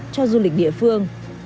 cho du lịch địa phương